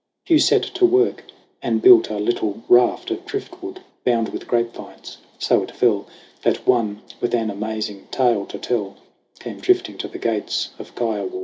Hugh set to work and built a little raft Of driftwood bound with grapevines. So^it fell That one with an amazing tale to tell Came drifting to the gates of Kiowa.